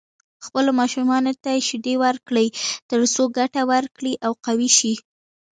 خپلو ماشومانو ته شيدې ورکړئ تر څو ګټه ورکړي او قوي شي.